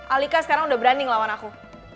alika sekarang udah berani ngelawan aku